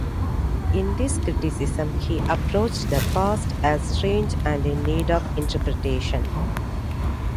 In this criticism, he approached the past as strange and in need of interpretation.